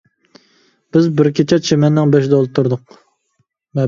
بىز بىر كېچە چىمەننىڭ بېشىدا ئولتۇردۇق.